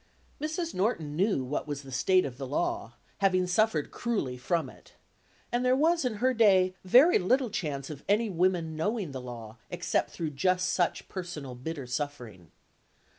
Mrs. Norton knew what was the state of the law, having suffered cruelly from it, and there was, in her day, very little chance of any women knowing the law, except through just such personal bitter suffering.